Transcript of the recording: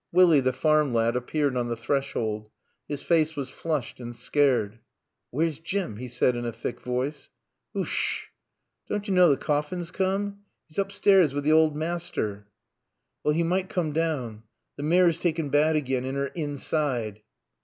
Willie, the farm lad, appeared on the threshold. His face was flushed and scared. "Where's Jim?" he said in a thick voice. "Ooosh sh! Doan't yo' knaw t' coffin's coom? 'E's oopstairs w' t' owd maaster." "Well 'e mun coom down. T' mare's taaken baad again in 'er insi ide."